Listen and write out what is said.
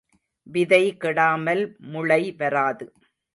விதை கெடாமல் முளைவராது.